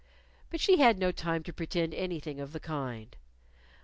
But she had no time to pretend anything of the kind.